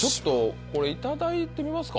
これいただいてみますか？